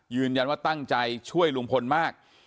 ยืนยันว่าตั้งใจช่วยลุงพลมาก